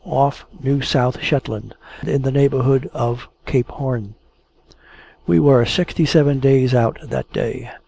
off New South Shetland; in the neighbourhood of Cape Horn. We were sixty seven days out, that day.